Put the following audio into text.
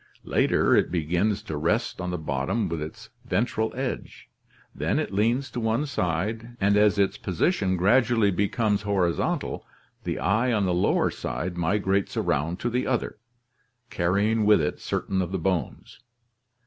Later it begins to rest on the bottom upon its ventral edge. 166 ORGANIC EVOLUTION Then it leans to one side, and as its position gradually becomes horizontal, the eye on the lower side migrates around to the other, carrying with it certain of the bones.